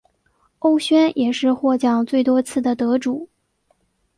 欧萱也是获奖最多次的得主。